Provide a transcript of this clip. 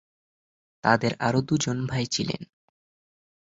তাদের আরও দুজন ভাই ছিলেন।